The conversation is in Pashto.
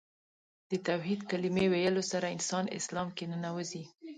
د توحید کلمې ویلو سره انسان اسلام کې ننوځي .